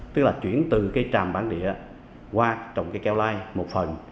tức là chuyển từ tràm bản địa qua trồng keo lai một phần